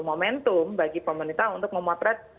momentum bagi pemerintah untuk memotret